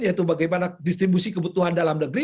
yaitu bagaimana distribusi kebutuhan dalam negeri